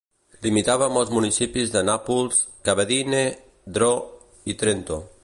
Limitava amb els municipis de Nàpols, Cavedine, Dro i Trento.